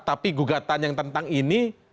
tapi gugatan yang tentang ini